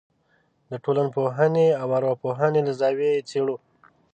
د ټولنپوهنې او ارواپوهنې له زاویې یې څېړو.